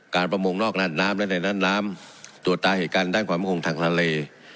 ประมงนอกร้านน้ำและในนั้นน้ำตรวจตาเหตุการณ์ด้านความมั่นคงทางทะเล